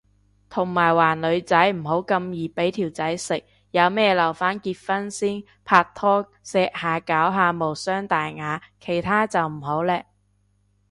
同埋話女仔唔好咁易俾條仔食，有咩留返結婚先，拍拖錫下攬下無傷大雅，其他就唔好嘞